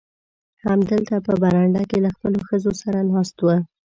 همدلته په برنډه کې له خپلو ښځو سره ناست و.